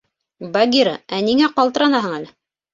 — Багира, ә ниңә ҡалтыранаһың әле?